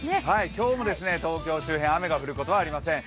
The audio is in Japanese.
今日も東京周辺、雨が降ることはありません。